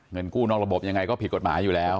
เงินกู้นอกระบบยังไงก็ผิดกฎหมายอยู่แล้ว